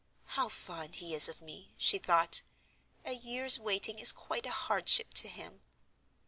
"How fond he is of me!" she thought. "A year's waiting is quite a hardship to him."